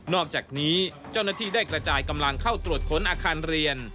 อกจากนี้เจ้าหน้าที่ได้กระจายกำลังเข้าตรวจค้นอาคารเรียน